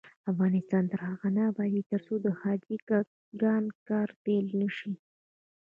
افغانستان تر هغو نه ابادیږي، ترڅو د حاجي ګک کان کار پیل نشي.